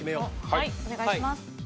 はいお願いします。